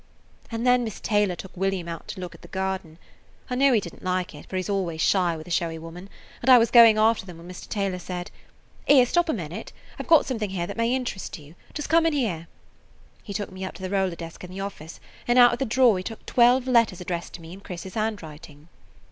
And then Miss Taylor took William out to look at the garden. I knew he did n't like it, for he 's always shy with a showy woman, and I was going after them when Mr. Taylor said: 'Here, stop a minute. I 've got something here that may interest you. Just come in here.' He took me up to the roller desk in the office, and out of the drawer he took twelve letters addressed to me in Chris's handwriting.